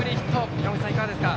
山口さん、いかがですか。